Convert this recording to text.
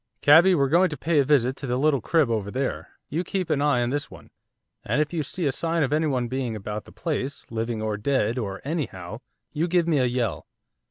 'Cabby, we're going to pay a visit to the little crib over there, you keep an eye on this one. And if you see a sign of anyone being about the place, living, or dead, or anyhow you give me a yell.